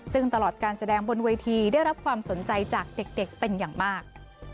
ซึ่งตลอดการแสดงบนเวทีได้รับความสนใจจากเด็กเป็นอย่างมาก